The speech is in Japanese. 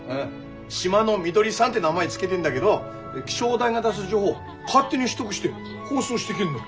シマノミドリさんって名前付けでんだげど気象台が出す情報勝手に取得して放送してくれんの。